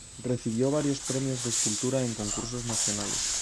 Recibió varios premios de escultura en concursos nacionales.